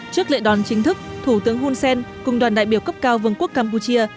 trước lễ đón chính thức thủ tướng hun sen cùng đoàn đại biểu cấp cao vương quốc campuchia